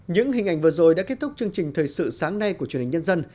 những hình ảnh vừa rồi đã kết thúc chương trình thời sự sáng nay của truyền hình nhân dân